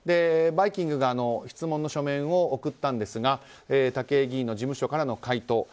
「バイキング」が質問の書面を送ったんですが武井議員の事務所からの回答。